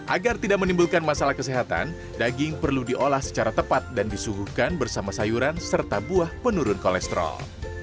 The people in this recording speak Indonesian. agar tidak menimbulkan masalah kesehatan daging perlu diolah secara tepat dan disuguhkan bersama sayuran serta buah penurun kolesterol